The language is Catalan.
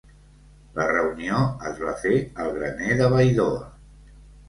La reunió es va fer al graner de Baidoa.